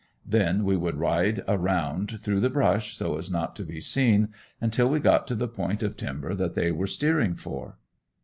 Then we would ride around through the brush, so as not to be seen, until we got to the point of timber that they were steering for.